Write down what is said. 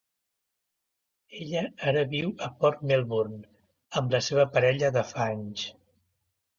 Ella ara viu a Port Melbourne amb la seva parella de fa anys.